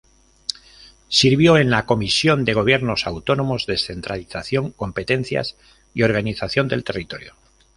Sirvió en la Comisión de Gobiernos Autónomos, Descentralización, Competencias y Organización del Territorio.